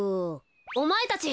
おまえたち。